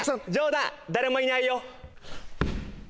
冗談誰もいないよ